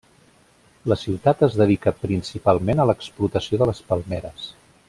La ciutat es dedica principalment a l'explotació de les palmeres.